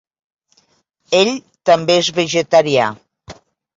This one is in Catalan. Ell també és vegetarià.